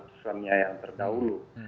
dan putusannya yang terdahulu